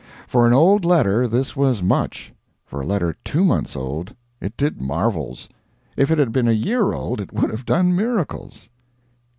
For an old letter, this was much. For a letter two months old, it did marvels; if it had been a year old it would have done miracles.